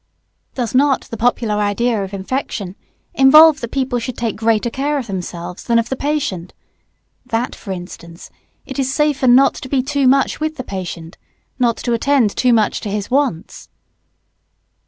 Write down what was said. Does not the popular idea of "infection" involve that people should take greater care of themselves than of the patient? that, for instance, it is safer not to be too much with the patient, not to attend too much to his wants?